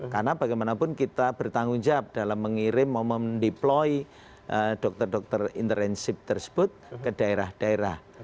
karena bagaimanapun kita bertanggung jawab dalam mengirim memdeploy dokter dokter internship tersebut ke daerah daerah